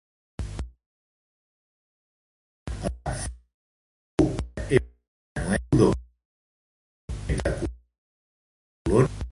El primer colon euro-americà fou Jean Pierre Emanuel Prudhomme, un descendent de colons francesos.